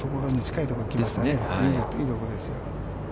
いいところですよ。